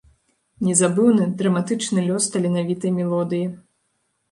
Незабыўны, драматычны лёс таленавітай мелодыі.